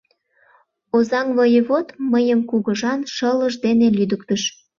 Озаҥ воевод мыйым кугыжан шылыж дене лӱдыктыш.